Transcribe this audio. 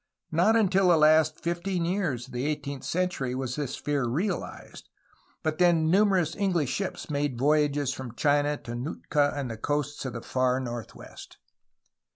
Not until the last fifteen years of the eighteenth century was this fear realized, but then numerous EngUsh ships made the voyage from China to Nootka and the coasts of the far northwest.